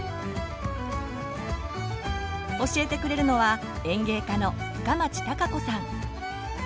教えてくれるのは園芸家の深町貴子さん。